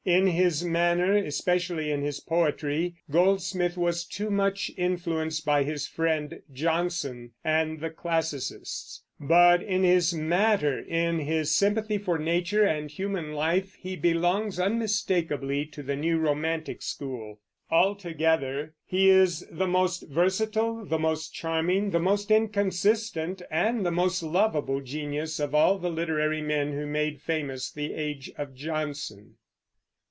In his manner, especially in his poetry, Goldsmith was too much influenced by his friend Johnson and the classicists; but in his matter, in his sympathy for nature and human life, he belongs unmistakably to the new romantic school. Altogether he is the most versatile, the most charming, the most inconsistent, and the most lovable genius of all the literary men who made famous the age of Johnson.